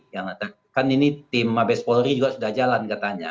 yang kan ini tim mabes polri juga sudah jalan katanya